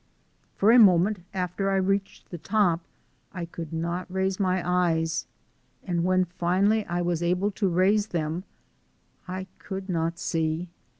For a moment after I reached the top I could not raise my eyes, and when finally I was able to raise them I could not see.